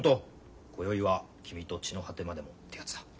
今宵は君と地の果てまでもってやつだ。